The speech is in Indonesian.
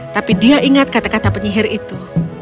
tapi dia ingat kata kata penyihir itu